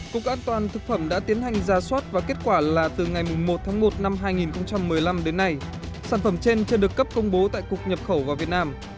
cục an toàn thực phẩm đã tiến hành ra soát và kết quả là từ ngày một tháng một năm hai nghìn một mươi năm đến nay sản phẩm trên chưa được cấp công bố tại cục nhập khẩu vào việt nam